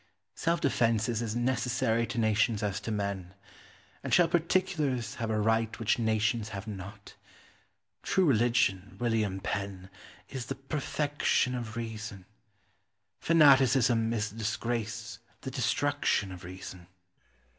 Self defence is as necessary to nations as to men. And shall particulars have a right which nations have not? True religion, William Penn, is the perfection of reason; fanaticism is the disgrace, the destruction of reason.